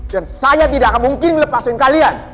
dan saya tidak akan mungkin melepasiin kalian